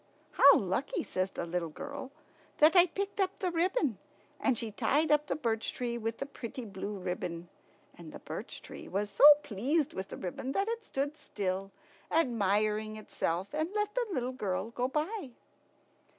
"How lucky," says the little girl, "that I picked up the ribbon!" And she tied up the birch tree with the pretty blue ribbon. And the birch tree was so pleased with the ribbon that it stood still, admiring itself, and let the little girl go by.